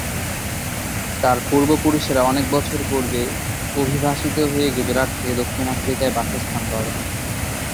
তার পূর্বপুরুষেরা অনেক বছর পূর্বে অভিবাসিত হয়ে গুজরাট থেকে দক্ষিণ আফ্রিকায় বাসস্থান গড়েন।